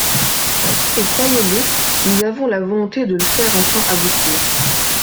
Et croyez-le, nous avons la volonté de le faire enfin aboutir.